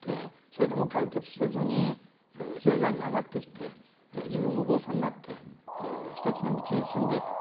それでも解決せずに比叡山に上がってきて自分もお坊さんになって一つの道に進んでいく。